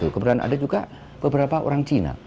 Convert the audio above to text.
kemudian ada juga beberapa orang cina